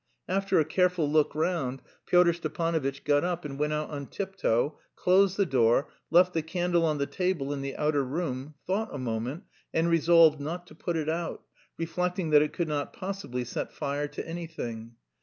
After a careful look round, Pyotr Stepanovitch got up and went out on tiptoe, closed the door, left the candle on the table in the outer room, thought a moment, and resolved not to put it out, reflecting that it could not possibly set fire to anything.